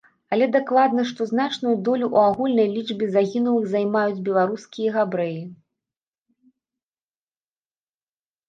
Але дакладна, што значную долю ў агульнай лічбе загінулых займаюць беларускі габрэі.